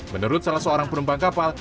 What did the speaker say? menurut salah seorang penumpang kapal